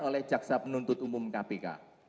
oleh jaksa penuntut umum kpk